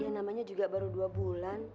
yang namanya juga baru dua bulan